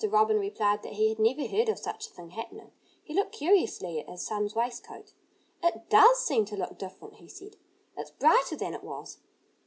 Robin replied that he had never heard of such a thing happening. He looked curiously at his son's waistcoat. "It does seem to look different," he said. "It's brighter than it was."